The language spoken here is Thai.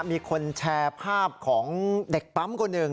มีคนแชร์ภาพของเด็กปั๊มคนหนึ่ง